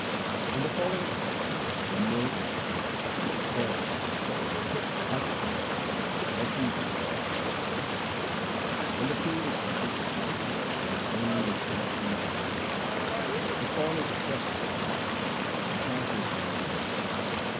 In the following allegory the mill is the world, the corn is the soul, the husk the body, refuge in God the axle : When the field is ripe, it is cut ; only the chaff and the hedge remain. The corn is threshed with the husk, and the chaff is winnowed away.